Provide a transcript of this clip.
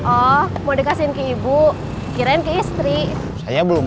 oh mau dikasih ke ibu kirain ke istri saya belum